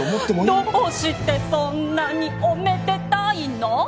どうしてそんなにおめでたいの？